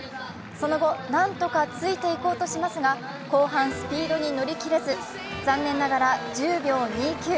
その後何とかついていこうとしますが後半スピードに乗り切れず残念ながら１０秒２９。